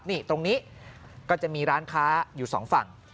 นี่ตรงนี้ก็จะมีร้านค้าอยู่สองฝั่ง